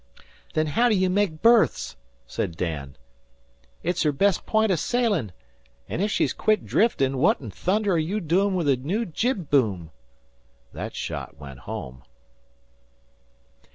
"Then haow d'you make berths?" said Dan. "It's her best p'int o' sailin'. An' ef she's quit driftin', what in thunder are you doin' with a new jib boom?" That shot went home.